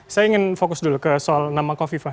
saya ingin fokus dulu ke soal nama kofifa